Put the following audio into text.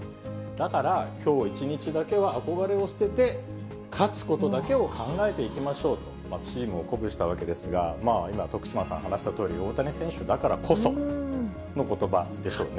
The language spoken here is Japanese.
だからきょう一日だけは憧れを捨てて、勝つことだけを考えていきましょうと、チームを鼓舞したわけですが、今、徳島さん話したとおり、大谷選手だからこそのことばでしょうね。